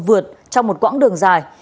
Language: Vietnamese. vượt trong một quãng đường dài